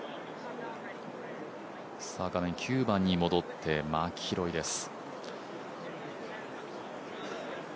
画面、９番に戻ってマキロイです。